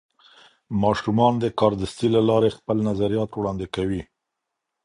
ماشومان د کاردستي له لارې خپل نظریات وړاندې کوي.